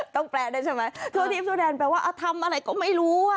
ต้องแปลได้ใช่ไหมทั่วทีบทั่วแดนแปลว่าทำอะไรก็ไม่รู้